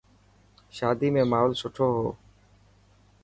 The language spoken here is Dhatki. شادي ۾ ماحول سٺو هو.